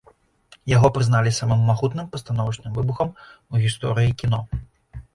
Яго прызналі самым магутным пастановачным выбухам у гісторыі кіно.